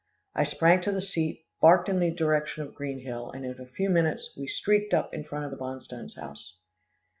I sprang to the seat, barked in the direction of Green Hill, and in a few minutes, we streaked up in front of the Bonstones' house.